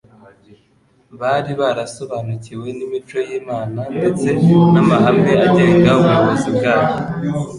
bari barasobanukiwe n’imico y’Imana ndetse n’amahame agenga ubuyobozi bwayo